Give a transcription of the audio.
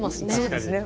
そうですね。